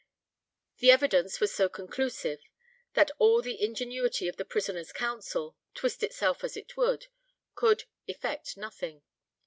The evidence was so conclusive, that all the ingenuity of the prisoner's council, twist itself as it would, could effect nothing.